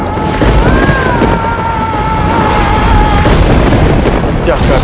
serta saya merasa bahwaquadats mu menjag rata rata mereka